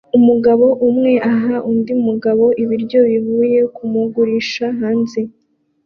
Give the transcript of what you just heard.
Umugabo umwe aha undi mugabo ibiryo bivuye kumugurisha hanze